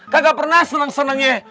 gak pernah seneng senengnya